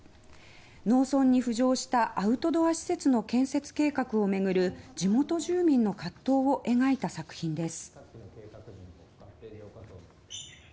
農村に浮上したアウトドア施設の建設計画を巡る地元住民の葛藤を描いた作品です。